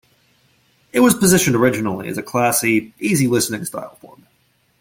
It was positioned originally as a classy easy listening style format.